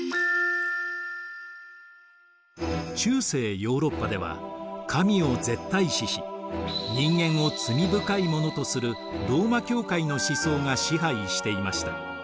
中世ヨーロッパでは神を絶対視し人間を罪深いものとするローマ教会の思想が支配していました。